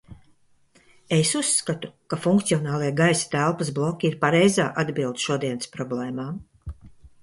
Es uzskatu, ka funkcionālie gaisa telpas bloki ir pareizā atbilde šodienas problēmām.